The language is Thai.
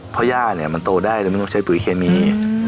เพราะย่าเนี่ยมันโตได้โดยไม่ต้องใช้ปุ๋ยเคมี